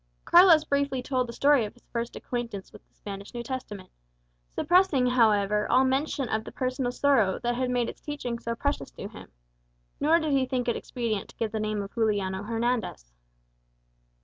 Carlos briefly told the story of his first acquaintance with the Spanish New Testament; suppressing, however, all mention of the personal sorrow that had made its teaching so precious to him; nor did he think it expedient to give the name of Juliano Hernandez.